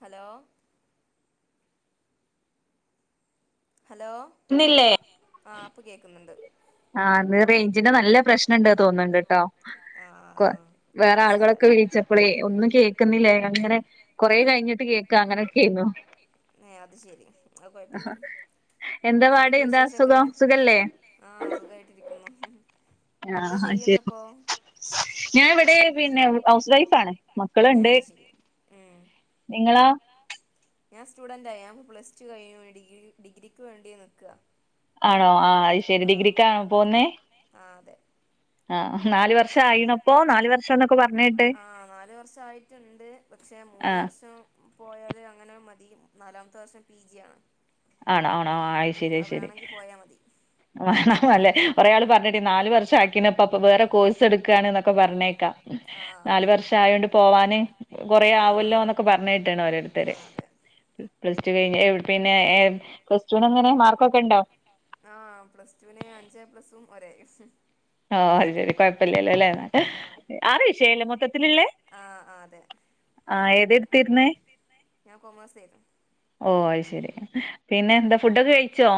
Hello hello ആ ഇപ്പൊ കേക്കുന്നുണ്ട്. ആഹ ഇത് റേഞ്ചിന്റെ നല്ല പ്രശ്നണ്ട് തോന്നുന്നുണ്ട്ട്ടോ കൊ വേറെ ആളുകളൊക്കെ വിളിച്ചപ്പളേ ഒന്നും കേക്കുന്നില്ലേ അങ്ങനെ കൊറെ കഴിഞ്ഞിട്ട് കേക്കാ അങ്ങനെയൊക്കെ അയ്നു ഏ അത് ശരി അത് കൊഴപ്പല്ല. എന്താ പാട് എന്താ സുഖം സുഖല്ലേ സുഖായിട്ടിരിക്കുന്നു. എന്താ ചെയ്യുന്ന ഇപ്പൊ ഞാൻ ഇവിടെ പിന്നെ ഹൗസ് വൈഫ് ആണ് മക്കള്ണ്ട്. നിങ്ങളാ ഞാൻ സ്റ്റുഡൻറായി പ്ലസ് ടു കഴിഞ്ഞു ഡിഗ്രിക്ക് വേണ്ടി നിൽക്ക. ആണോ ആ അത് ശരി ഡിഗ്രിക്കാണോ പോവുന്നെ ആ് നാല് വർഷം ആ നാല വർഷയിട്ടുണ്ട് പക്ഷെ മൂന്ന് വർഷം... പോയാല് അങ്ങനെ മതി നാലാമത്തെ വർഷം പി ജി യാണ്...... ആണോ ആണോ ആയി ശരി അയ്ശരി...... ല്ലെ ഒരായാള് പറഞ്ഞിട്ട് നാല് വർഷം ആക്കനപ്പ വേറെ കോഴ്..... ക്കെ പറഞ്ഞേക്കാം നാലല് വർഷം ആയോൊണ്ട് പോവാന് കൊറേ ആവല്ലോ എന്നൊക്കെ പറഞ്ഞ.... ഓരോർത്തർ..... പിന്നെ പ്ലസ് റ്റു എങ്ങനെ മാർക്കൊക്കെ ഉണ്ടോ..... പ്ലസ് റ്റുന്അഞ്ച് എ പ്ലസു ഒരു ഏയും ആഓ അത് ശരി കുഴപ്പില്ലലെ ആറ് വിഷയല്ലേ മൊത്തത്തിലുള്ളേ..... ആഹ ഏതെടുത്തിരുന്ന ഓ അയ്ശരി....... പിന്നെ എന്താ ഫുഡൊക്കെ കഴിച്ചോ.....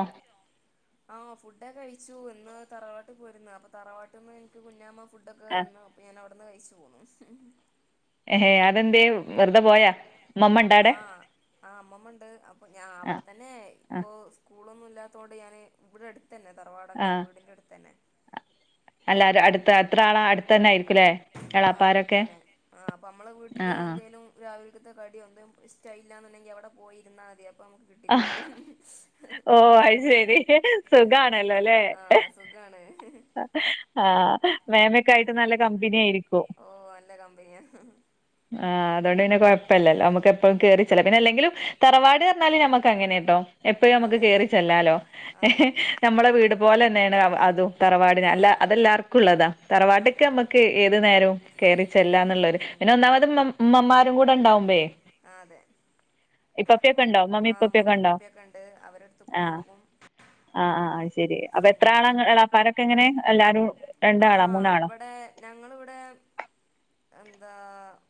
തറവാട്ടിൽ പോരുന്നു അപ്പോ തറവാട്ടിൽ നിന്ന് എനി കുഞ്ഞാമ ഫുഡ്ക്കെ തന്ന അ ഞവിടെ.... ഫുഡഴിച്ചു പോന്നു ഹേ അതന്തേ...... പോയാ.. മ്മ... ആഹ് ആ അമ്മമ്മുണ്ട് അപ്പൊ ഞാൻ അവിടെ തന്നെ ഇപ്പൊ സ്കൂളൊന്നും...... എല്ലാത്തോണ്ട് ഞാന് ഇവിടെ അടുത്ത തന്നെ തറവാടൊക്കെ വീടിന്റെ അടുത്ത തന്നെ....... എത്ര ആള അടുത്തതന്നെ ആയിരിക്കുംലേ എളാപ്പാരൊക്കെ ആഹ ആഹ..... രാവിലത്തെ കടിിയ ഒും ഇഷ്ടയില്ലാന്നുണ്ടെങ്കി അവിടെ പോയിരുന്നാൽ മതി അപ്പ നമുക്ക് കിട്ടിക്കോളും ഓ അത് ശരി സുഖാണല്ലോല്ലേ...... ആഹ മേ മക്.. നല്ല കമ്പിനി ആയിരിക്കും അ. തൊണ്ടെന്നെ. കുഴപ്പമില്ലല്ലോ നമക്ക് എപ്പോഴും കയറിച്ച പിന്നെ അല്ലെങ്കിലുംറവാട് പറഞ്ഞാലല് നമുക്ക് അങ്ങനെ കേട്ടോ എപ്പോഴും നമുക്ക് കേറി..... ചെല്ലാലോ നമ്മുടെ വീട് പോലെ തന്നെയാണ് അതും...... തറവാടിന് അല്ല അതെല്ലാർക്കുംള്ളതാ തറവാട്ടക്കെ നമ്മുക്ക് ഏത് നേരവും കയറി ചെല്ലാം എന്നുള്ളരു...... പിന്നെ ഒന്നാമത് മമാരും കൂടെ ഉണ്ടാവുമ്പേ...... ആഹ അമ്മമ്മി ഇപ്പപ്പിയൊ കെണ്ട് അവരടുത്തേക്കും പോകും..... ആ് ആ ശെരി അപ്പൊ എത്ര എ ളപ്പരൊക്കെ എങ്ങനെ എല്ലാരും..... രണ്ടാളാ മൂന്നാളാ..... അ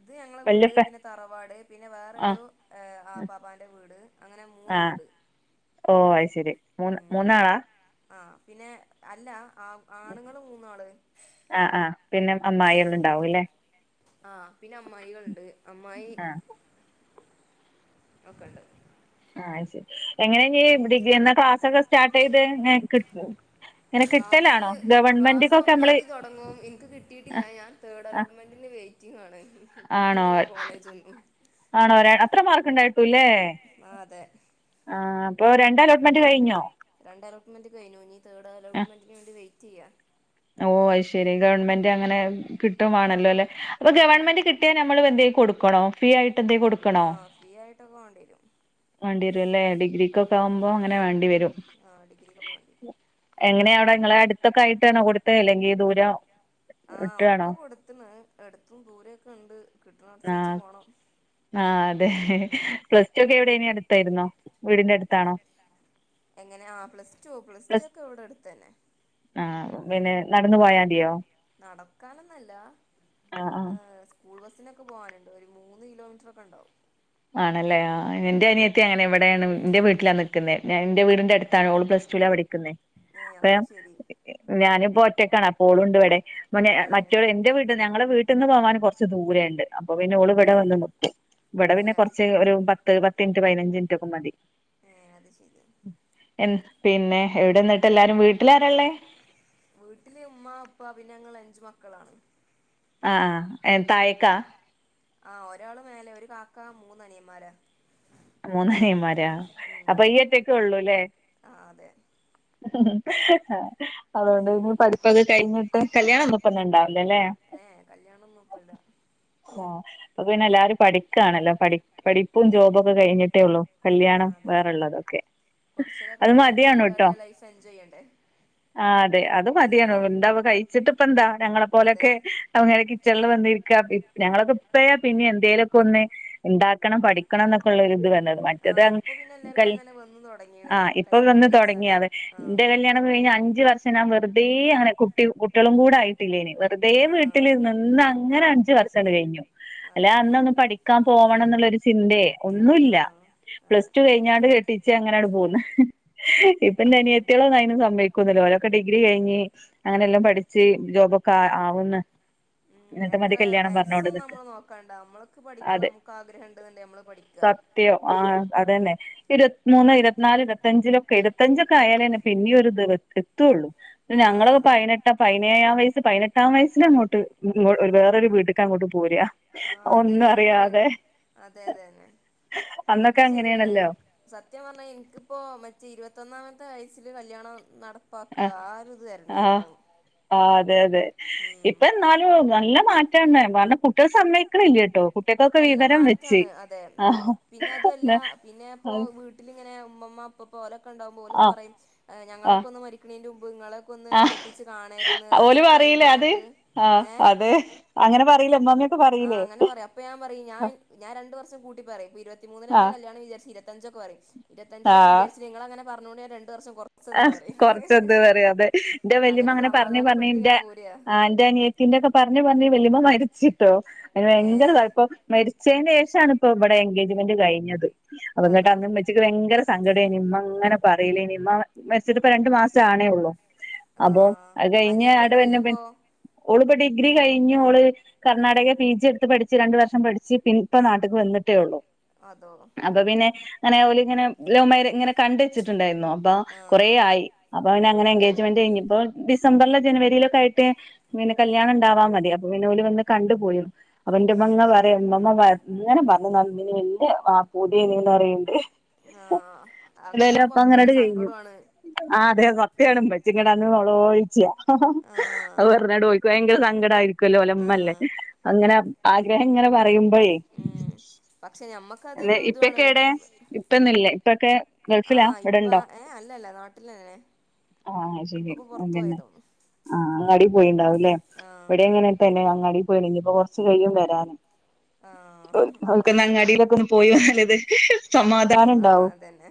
ഇത് ഞങ്ങ.. ൻ്റെവീട് പിന്നെ തറവാട് പിന്നെ വേറരു അപ്പാപ്പാൻ്റെ വീട് അങ്ങനെ മൂന്ന് വീട് ശരി മൂ മൂന്നാള പിന്നെ അല്ല ആ ആണുങ്ങൾ മൂന്നാള്. ആ പിന്നെ അമ്മായികളുണ്ട് അമ്മായി. ഒക്കെണ്ട്. ആ ശരി എങ്ങനെയീ ഡിഗ്രി എന്ന ക്ലാസ്സൊക്കെ സ്റ്റാർട്ട് ചെയ്ത് [unintelligible] ക്ലാസ് ക്ലാസ് ഒന്നാം തീയതി തുടങ്ങ എനിക്ക് കിട്ടിയിട്ടില്ല ഞാൻ തേഡ് അലോട്ട്മെന്റിന് ആണ് കിട്ടണില്ല കോളേജൊന്നും. ആണോ ഒരാ അത്ര മാർക്ക് ഇണ്ടായിട്ടുല്ലേ. രണ്ട് അലോട്ട്മെന്റ് കഴിഞ്ഞു ഇനി തേർഡ് അലോട്ട്മെൻറ് വേണ്ടി വെയിറ്റ് ചെയ്യാ ഓ അ ശരി ഗവൺമെന്റ് അങ്ങനെ. കിട്ടുവാണല്ലോ അല്ലെ അപ്പൊ ഗവൺമെന്റ് കിട്ടിയാൽ നമ്മള് എന്തെ കൊടുക്കണോ ഫീ ആയിട്ട് എന്തേ കൊടുക്കണോ. ആയിട്ടൊക്കെ വേണ്ടി വരും അല്ലേ ഡിഗ്രിക്കൊക്കെ ആകുമ്പോ അങ്ങനെ വേണ്ടി വരും. എങ്ങനെയ അവിടെ നിങ്ങളെ അടുത്തൊക്കെ ആയിട്ടണോ കൊടുത്ത അല്ലെങ്കി ദൂരം. [unintelligible] ഒക്ക കൊടുത്തന്ന് എടുത്തും ദൂരൊക്കെ ഉണ്ട് കിട്ടണടത്ത് വെച്ച് പോണം ഹി ഹി പ്ലസ് ടു ഒക്കെ എവിടെ ഇനി അടുത്തായിരുന്നോ വീടിന്റെ എങ്ങനെ ആ പ്ലസ് ടു പ്ലസ് ടു ഒക്കെ എവിടെ എടുത്തുന്നെ നടക്കാനന്നല്ല ങേ സ്കൂ ബസ്റ്റിനൊക്കെ പോവാനുണ്ട് ഒരു മൂന്ന് കിലോമീറ്റർ ഒക്കെ ഉണ്ടാവും. ആണല്ലേ ആ എന്റെ അനിയത്തി അങ്ങനെ എവിടെയാണ് എന്റെ വീട്ടിലന്ന് നിക്ക ണെ എന്റെ വീടിന്റെ അടുത്താണ് ഓള് പ്ലസ് ടു ൽ ആണ് പഠിന്നുന്നത്. അപ്പോ ഞാനൻപ്പോ ഒറ്റക്കാണ് ഓളുണ്ട് ഇവിടെ മ മറ്റേ എന്റെ വീട് ഞങ്ങളടെ വീട് വീട്ടിൽ ന്ന് പോവാൻ കുറച്ച് ദൂരണ്ട് അപ്പൊ പിന്നെ ഓൾ വിടെ വന്ന് നിക്ക് ഇവിടെ പിന്നെ കുറച്ച് ഒരു പത്ത് പത്ത് മിനിറ്റ് പതിനഞ്ച് മിനിറ്റ് ഒക്കെ മതി എന്തേ പിന്നെ എവിടെ ന്നി വീട്ടില് ഉമ്മ ഉപ്പ പിന്നെ ഞങ്ങൾ അഞ്ചു മക്കളാണ്. ആ തായക്കാ, ആഹ് ഒരാള് മേലെ ഒരു കാക്ക മൂന്നനിയന്മാരാ, മൂന്ന നീന്മാരാ അപ്പൊ നീയൊറ്റക്കെ ഉള്ളുല്ലേ ഷ് ആ ആഷ് അതുകൊണ്ട് ഇനി പഠിപ്പൊക്കെ കഴിഞ്ഞിട്ട് കല്യാണ ഒന്ന്പ്പന്നെ ഉണ്ടാവ ലല്ലേ ആ, പിന്നെ എല്ലാവരും പഠിക്കുകാണല്ലോ, പഠി പഠിപ്പും ജോബും കഴിഞ്ഞിട്ടേ ഉള്ളൂ കല്യാണം വേറെള്ളതൊക്കെ അത് മതിയാണട്ടോ, ആ അതെ അത് മതിയാണോ എന്താവ കഴി വെച്ചിട് പ്പന്താ ഞങ്ങളെ പോലൊക്കെ അ കിച്ചണിൽ വന്ന രിക്കാ ഞങ്ങളെക്കെ പ്പെ പിന്നെ എന്തെലുക്കൊന്ന് ഉണ്ടാക്കണം പഠിക്കണം ഒക്കെ വത് ഒരിത് വന്നത്‌ മറ്റേത് അ ഇപ്പെ വന്ന് തുടങ്ങി ന്റെ കല്യാണം കഴിഞ്ഞാഞ്ച് വർഷം ഞാൻ വെറുതെ അങ്ങനെ കുട്ടി കുട്ടികളും കൂടയായിട്ടില്ലേ വെറുതെ വീട്ടിലിരുന്ന് നിന്ന് അങ്ങനെ അഞ്ചു വർഷണ് കഴിഞ്ഞു. അല്ല അന്ന് ഒന്ന് പഠിക്കാൻ പോവണം എന്നുള്ള ഒരു ചിന്തേ ഒന്നുല്ല. പ്ലസ് ടു കഴിഞ്ഞാണ്ട് കെട്ടിച്ച് അങ്ങനെ യൊന്ന് പോന്നു, ഇപ്പൊ എന്നെ അനിയത്തിയളോതിന് സമ്മതിക്കില്ല സമ്മയിക്കൂല ഓരൊക്കെ ഡിഗ്രി കഴിഞ്ഞ് അങ്ങനെ യെല്ലാം പഠിച്ച് ജോബൊക്കെ ആവന്ന്, ഉം എത്ര വയസൊന്നും നമ്മള് നോക്കാണ്ട, നമ്മളക്ക് പഠിക്കാൻ നമുക്ക് ആഗ്രഹ ഉണ്ട് യെന്നുണ്ടങ്കിൽ നമ്മള് സത്യം ആ അതെന്നെ ഇരു പത്തിമൂന്ന് ഇരുപത്തിനാല് ഇരുപത്തഞ്ചിലൊക്കെ ഇരുപത്തഞ്ചൊക്കെ ആയാലേ തന്നെ പിന്നെ യൊരുദ്‌വ് എത്തുള്ളൂ. ഞങ്ങളൊക്കെ പൈനെട്ട് പൈനയാ വയസ്സ് പതിനെട്ടാം വയസ്സിന് അങ്ങോട്ട് ഇ വേറൊരു വീട്ടക്ക് അങ്ങോട്ട് പോയി ആഹ അതന്നെ എന്ത് അതെ അതെതെ, അതൊക്കെ ശരിയാണ് സത്യം പറഞ്ഞാ എനിക്കിപ്പോ മറ്റേ ഇരുപ പത്തൊന്നാമത്തെ വയസ്സിൽ കല്യാണം നട ആഹ ആഹ് ആ അതെ അതെ, ഇപ്പൊ എന്നാലും നല്ല മാറ്റാണ് കാരണം കുട്ടികെ സമ്മയക്കണില്ല കേട്ടോ കുട്ടികൾക്കൊക്കെ വിവരം വ ണ് അതെ, ആഹ് ന്ന പ്പോ വീട്ടിലിങ്ങനെ ഉമ്മമ്മാ ഇപ്പപ്പോ ലൊക്കെണ്ടാവുമ്പോലൊക്കെ പറയും ഞങ്ങളൊക്ക ഒന്ന് മരിക്കിണിന്റെ നിങ്ങളൊക്കെ ഒന്ന് കെട്ടിച്ചു കാണായിരുന്നു അങ്ങനെ ലേ അത് ആ അതേ അങ്ങനെ പറയില ഉമ്മമ്മയൊക്കെ പറയിലേ, ഞാൻ രണ്ട്‌വർഷം കൂട്ടി പറയും ഇരുപത്തിമൂന്നി ന്റെ കല്യാണം വിചാരിച്ചിലേ ഇരുത്തഞ്ചൊക്കെ പറയും, ഇരുത്തഞ്ചിലെക്കെ ഞാ വിചാരിലെ നിങ്ങൾങ്ങെ പറഞ്ഞുകൊണ്ട് രണ്ട് ആ കൊറച്ചന്ത് പറയാതെ, എന്റെ വല്യമ്മ അങ്ങനെ പറഞ്ഞ് പറഞ്ഞ് ന്റെ ആ ന്റെ അനിയത്തിന്റെ ഒക്കെ പറഞ്ഞഞ് പറഞ്ഞഞ് വല്യമ്മ മരിച്ചി ട്ടോ, അതിന് ഭയങ്കര സങ്ക ഇപ്പൊ മരിച്ചതിന് ശേഷാണ് ഇപ്പൊ ഇവിടെ എൻഗേജ്മെന്റ് കഴിഞ്ഞത് അപ്പൊ ങ്ങട്ട് അന്ന് ഇമ്മച്ചിക്ക് ഭയങ്കര സങ്കടം ഇമ്മ അങ്ങനെ പറയലേ നിമ്മ മരിച്ചിട്ടപ്പോ രണ്ടു മാസം ആണേ ഉള്ളൂ അപ്പൊ അത് കഴിഞ്ഞ് അവിടെ വന്നെ ഓൾ ഇപ്പൊ ഡിഗ്ര ഡിഗ്രി കഴിഞ്ഞു ഓള് കർണ്ണാടക പി ജി എടുത്ത് പഠിച്ച് രണ്ടു വർഷം പഠിച്ച് ഇപ്പോ നാട്ടിലേക്ക് വന്നിട്ടേ ഉള്ളു. അപ്പൊ പിന്നെ അങ്ങനെ ഓല് ഇങ്ങനെ ലോ മേ ഇങ്ങനെ കണ്ട വെച്ചിട്ടുണ്ടായിരുന്നു അപ്പൊ കുറേ ആയി അപ്പൊ അങ്ങനെ എങ്കേജ്മെന്റ് കഴഞ്ഞപ്പോ ഡി ഡിസ് ഡിസംബറിലോ ജനുവരിയിലൊക്ക ആയിട്ട് പിന്നെ കല്യാണം ഉണ്ടവാ മതി അപ്പൊ ഓല് വന്ന് കണ്ടുപോയി അവന്റെ ഉമ്മങ്ങ പറ ഉമ്മമ്മ അങ്ങനെ പറഞ്ഞ് നടന്നിന് വലിയ ആ പൂതിയിന്ന് പററണ്ട് ആഹ അല അപ്പ അങ്ങനോട് കഴിഞ്ഞു ആ അതെ സത്യണ്പ ചിങ്ങട അന്ന നോള ോയിിച്ചിയാ അത് വുന്നട്ോയി ഭയങ്കര സങ്കടമായിരിക്കും ലോലമ്മല്ലേ അങ്ങനെ ആഗ്രഹം ഇങ്ങനെ പറയുമ്പോഴേ എ ഇപ്പൊക്കെ എവിടെ ഇപ്പൊന്നും ഇല്ല ഇപ്പൊക്കെ ആഹ് ഇപ്പ ഏ അല്ലല്ലോ നാട്ടില തന്നെ ആഹ ശരിന്നെ അതന്നെ അങ്ങടി പോയിണ്ടാവുംല്ലേ എവിടെ എങ്ങനെ തന്നെ അങ്ങടിയിണ് ഇനി കുറച്ച് കഴിയും വരാൻ അവർക്ക്ന്ന് അങ്ങടിയിൽ പോയില്ലത് ഒരു ആഹ അതന്നെ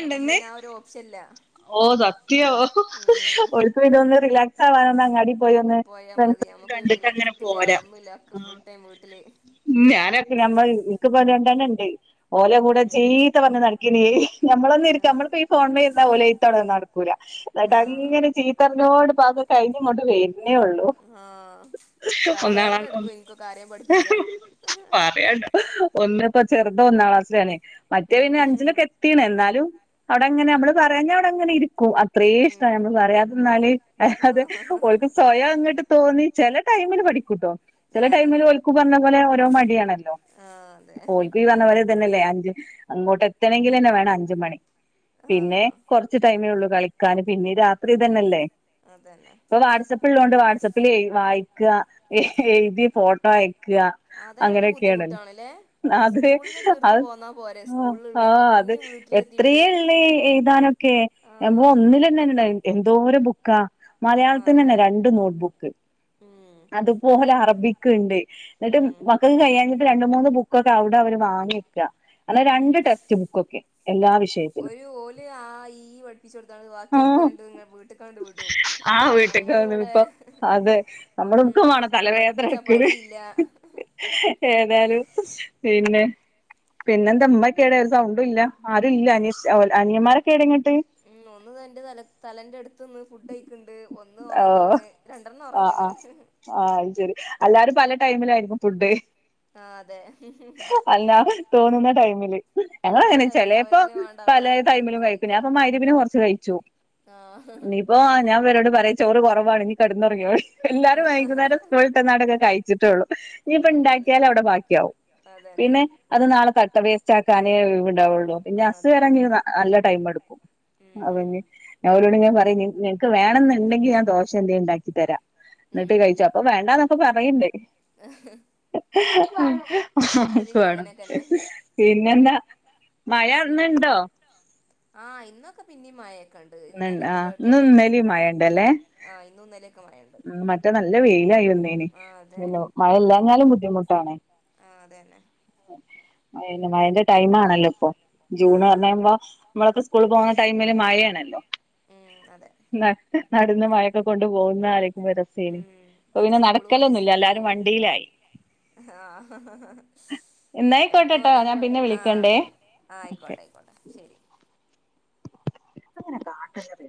നമ്മുക്ക് പിന്നെ ആ ഒരു ഓപ്ഷൻ ഇല്ല ഓ സത്യം ഒർക്ക്പ്പിന്നെ ഒന്ന് റിലാക്സ് ആവാൻ ഒന്ന് അങ്ങാടി പോയാ മതി നമുക്ക് ഒരു റിലാക്സ് ഇല്ല ഒന്നുമല്ല ഫുൾ ടൈം വീട്ടില് നമ്മൾ ഇക്ക് ഇപ്പോ അതാണ് ഓല കൂടെ ചീത്ത പറഞ്ഞ് നടക്കയിന്ന് നമ്മളൊന്ന് ഇരിക്ക നമ്മളിപ്പോ ഈ ഫോണമെ ഇരിന്ന ഒരേ എഴുത്ത് എന്നട്ട് അങ്ങനെ ചീത്തറിനോട് ഇ പ്പോ അതെക്കകഴിഞ്ഞങ്ങോട്ട് വരുന്നേ ഉള്ളൂ തലവേദന എടുക്കും എനിക്കൊ കാര്യം പഠിപ്പിച്ചാ ഒന്നിപ്പോ ചെറുത ഒന്നാം ക്ലാസ്സിലാണേ മറ്റേ പിന്നെ അഞ്ചിലൊക്കെ എത്തിണ് എന്നാലും അവിടെ അങ്ങനെ നമ്മള് പറയഞ്ഞ അവിടെ അങ്ങനെ അത്രേ ഇഷ്ട നമ്മള് പറയാതരആണേ ഓൾക് അല്ലാതെ സ്വയം അങ്ങോട്ട് തോന്നി ചില ടൈമിൽ പഠിക്കൂട്ടോ ചില ടൈമിൽ ഒക്കു പറഞ്ഞ പോലെ ഓരോ മടിയാണല്ലോ ഓയിക്ക വന്ന പോരെ തന്നെല്ലേ അഞ്ച് അങ്ങോട്ട് എത്തണെങ്കിൽ തന്നെ വേണം അഞ്ച് മണി പിന്നെ കൊറച്ച് ടൈമേ ഉള്ളു കളിക്കാന് പിന്നെ രാത്രി തന്നെല്ലേ അതന്നെ ഇപ്പൊ വാട്സആപ്പ് ഉള്ളൊണ്ട് വാട്സആപ്പിൽ വായിക്ക എഴുതി ഫോട്ടോ അയക്കുക അതെ ഒരു ബുദ്ധിമുട്ടാണല്ലേ അത് അ ആ അത് എത്രയെ ഉള്ളു എഴുതനോറ ക്കെ കേ എബോ ഒന്നിലന്നെണ്ട എന്തോര ബുക്കാ മലയാളത്തിന് ന്നെ രണ്ട് നോട്ബുക്ക് അതുപോലാ അറബികിണ്ട് എന്നിട്ട് മക്കക്ക് കഴിയാൻ രണ്ട് മൂന്ന് ബുക്കൊക്കെ അവിടെ അവര് വാങ്ങിവെക്ക അല്ല രണ്ട് ടെക്സ്റ്റ് ബുക്കൊക്കെ എല്ലാ വിഷയത്തിനും ആ ഈ പഠിപ്പിച്കൊടുതാണ് ബാക്കിയൊക്കെ ണ്ട് വീട്ടി കാണ്ട് വിടും നമ്മള ഇവിടെ അതെ നമ്മളുക്കമാണ് തലവേദനേടുകല് ഏതായാലും പിന്നെ പിന്നെ എന്ത ഉമ്മാക്കേടെ ഒരു സൗണ്ടും ഇല്ല ആരും ഇല്ല അനീഷ് അനിയമാരൊക്കേടെ ഇങ്ങട്ട് ഒന്ന് ദാ എന്റെ തല തലേന്റെ അടുത്തിന്ന് ഫുഡ്ഡഴിക്ണ്ട് ഒന്ന് ഉറങ്ങീണ് രണ്ടെണ്ണം ഉറങ്ങീണ് ആ എല്ലാരും പല ടൈമിലായിരിക്കും ഫുഡ് അല്ല തോന്നുന്ന ടൈമില് ഞങ്ങളങ്ങനെ ചെലേപ്പോ പല അ തൈമിലും കഴിക്കും ഞാപ്പൊ മഗ്‌രിബിന് കുറച്ച് കഴിച്ചു. ഇനീപ്പോ ഞാൻ ഈരോട് പറയും ചോറ് കൊറവാണ് ഇനി കടന്നുറങ്ങിയാതി എല്ലാരും വൈകുന്നേരം കഴിച്ചിട്ടേള്ളൂ ഇനീപ്പ ഇണ്ടാക്കിയാലും അവിടെ ബാക്കിയാവും പിന്നെ അത് നാളെ തട്ട വേസ്റ്റ് ആക്കാനേ ഇണ്ടാവുള്ളൂ പിന്നെ അസ വരങ്ങ നല്ല ടൈം എടുക്കു അവരോട് ഞാൻ പറയും നിൻക്ക് വേണെന്നുണ്ടെങ്കി ഞാൻ ദോഷ എന്തേലുണ്ടാക്കി തരാ എന്നിട്ട് കഴിചൊ അപ്പൊ വേണ്ടാന്നൊക്കെ പറയണ്ടേ ക്ക് വേണം പിന്നെന്താ മഴന്നിണ്ടോ? ആ ഇന്നൊക്കെ പി ന്ന് ണ്ട് ആ ഇന്നു ഇന്നെലീ മയ ഇണ്ടല്ലേ? ഉം മറ്റെ നല്ല വെയിലായിരുന്നേനെ പിന്നെ മഴയില്ലാഞ്ഞാലും ബുദ്ധിമുട്ടാണ്. ആ അതന്നെ എ മഴേന്റെ ടൈം ആണെല്ലോ പ്പൊ ജൂണെന്ന്പറേമ്പോ മ്മളൊക്കെ ഉസ്കൂളിൽ പോകുന്ന ടൈമില് മഴേ ണല്ലോ? [unintelligible] ന നടന്ന് മഴേക്കെ കൊണ്ടു പോകുന്ന ആലോയിക്കുമ്പൊ രസായിനി ഇപ്പൊ പിന്നെ നടക്കലൊന്നുല്ല എല്ലാരും വണ്ടീലായി. ആ എന്നും ഒരേപോലെ ആ ആ ആയിക്കോട്ടായിക്കോട്ടെ ശെരി ഇതെങ്ങനാ കാട്ടണ്ടത്